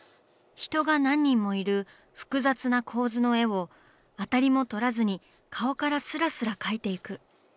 人が何人もいる複雑な構図の絵をアタリもとらずに顔からスラスラ描いていく。